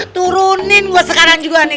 turunin buat sekarang juga nih